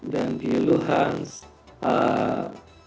dan di luhansk